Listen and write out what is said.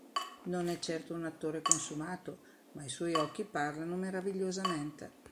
Non è certo un attore consumato, ma i suoi occhi "parlano" meravigliosamente.